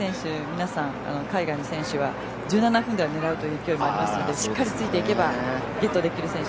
皆さん、海外の選手は１７分台を狙うという勢いがありますのでしっかりついていけばゲットできる選手